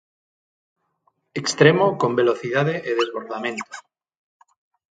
Extremo con velocidade e desbordamento.